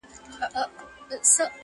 همېشه پر حیوانانو مهربان دی,